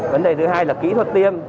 vấn đề thứ hai là kỹ thuật tiêm